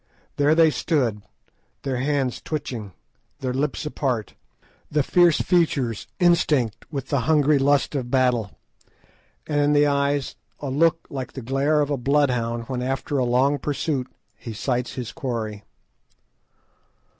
There they stood, the hands twitching, the lips apart, the fierce features instinct with the hungry lust of battle, and in the eyes a look like the glare of a bloodhound when after long pursuit he sights his quarry.